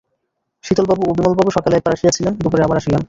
শীতলবাবু ও বিমলবাবু সকালে একবার আসিয়াছিলেন, দুপুরে আবার আসিলেন।